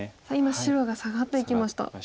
さあ今白がサガっていきました。